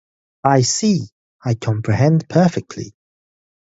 I see; I comprehend perfectly.